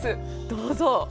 どうぞ。